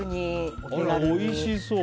おいしそう！